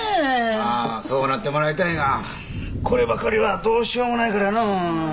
ああそうなってもらいたいがこればかりはどうしようもないからのう。